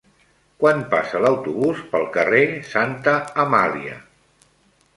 Quan passa l'autobús pel carrer Santa Amàlia?